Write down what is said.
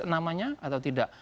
namanya atau tidak